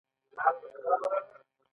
په مغازه کې ځینې توکي قیمته وي.